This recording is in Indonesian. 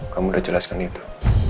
kamu sudah jelaskan itu